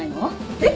えっ？